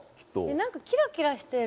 なんかキラキラしてる。